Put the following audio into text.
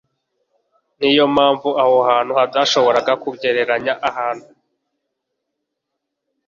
Ni yo mpamvu aho hantu hatashoboraga kugereranya ahantu